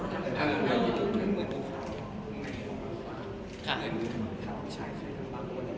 เอาจริงเรื่องความรักมันไม่มีใครโง่ไม่มีใครชะละค่ะ